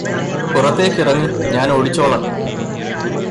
പുറത്തേക്കിറങ്ങ് ഞാന് ഓടിച്ചോളാം